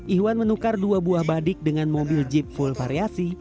ihwan menukar dua buah badik dengan mobil jeep full variasi